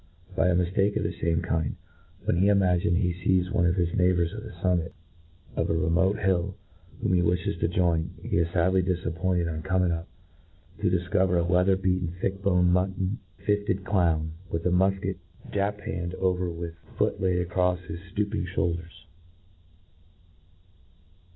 By a miftake of the fame kind, when he imagines he fees one of his neighbours on the fummit of a remote hill whom he wiflies to join, he is fadly difappointed, on coming up, to difcover a wea ther beaten, thick boned, mutton fifted clown, tvith a mulket japanned over with foot laid acrofi his {looping flioulders.